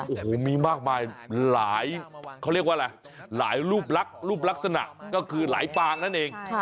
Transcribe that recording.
โอ้โหมีมากมายหลายเขาเรียกว่าอะไรหลายรูปลักษณะก็คือหลายปางนั่นเอง